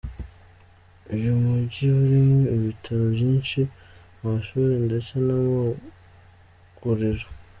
Uyu mujyi urimo ibitaro byinshi, amashuri ndetse n’amaguriro.